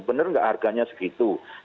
bener nggak dia beli ke perusahaannya langsung